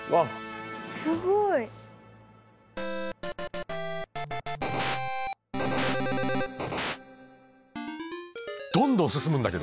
すごい！どんどん進むんだけど。